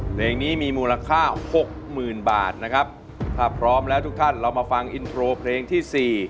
เพลงนี้มีมูลค่าหกหมื่นบาทนะครับถ้าพร้อมแล้วทุกท่านเรามาฟังอินโทรเพลงที่สี่